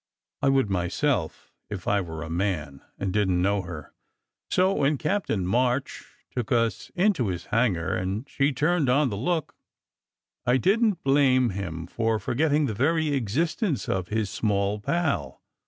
I would myself if I were a man, and didn t know her; so when Captain March took us into his hangar, and she turned on the look, I didn t blame him for forgetting the very existence of his small pal.